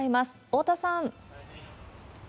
大田さん。